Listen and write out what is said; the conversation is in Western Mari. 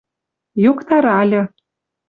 Йоктаральы